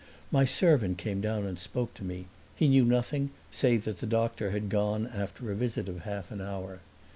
My servant came down and spoke to me; he knew nothing save that the doctor had gone after a visit of half an hour.